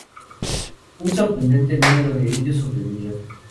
Un sorprendente número de ellos sobrevivió.